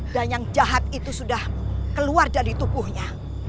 dan yang jahat itu sudah keluar dari tubuhnya